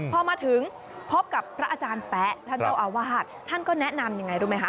พอมาถึงพบกับพระอาจารย์แป๊ะท่านเจ้าอาวาสท่านก็แนะนำยังไงรู้ไหมคะ